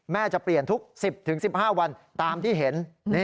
จะเปลี่ยนทุก๑๐๑๕วันตามที่เห็น